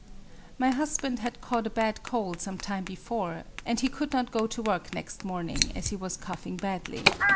— My husband had caught a bad cold some time before ; and he could not go to work next morning, as he was coughing badly.